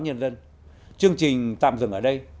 nhân dân chương trình tạm dừng ở đây